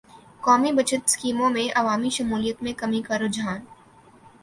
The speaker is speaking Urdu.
قومی بچت اسکیموں میں عوامی شمولیت میں کمی کا رحجان